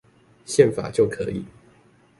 憲法就可以